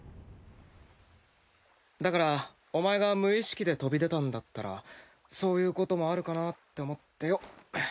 だからお前が無意識で飛び出たんだったらそういうこともあるかなって思ってよ。